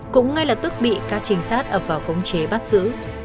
cũng ngay lập tức bị các trinh sát ập vào khống chế bắt giữ